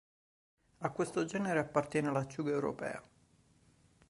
A questo genere appartiene l'acciuga europea.